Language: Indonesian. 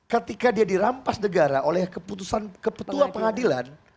ketika dia dirampas negara oleh keputusan kepetua pengadilan